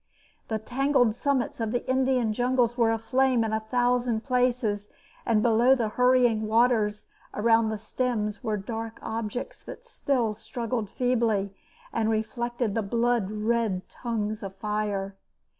The tangled summits of the Indian jungles were aflame in a thousand places, and below the hurrying waters around the stems were dark objects that still struggled feebly and reflected the blood red tongues of fire.